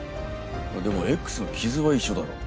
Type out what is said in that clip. でもＸの傷は一緒だろ。